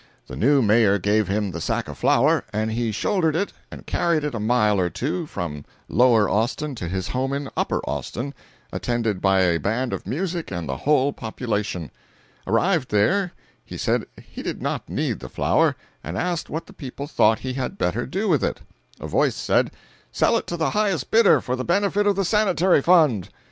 The new mayor gave him the sack of flour, and he shouldered it and carried it a mile or two, from Lower Austin to his home in Upper Austin, attended by a band of music and the whole population. Arrived there, he said he did not need the flour, and asked what the people thought he had better do with it. A voice said: "Sell it to the highest bidder, for the benefit of the Sanitary fund."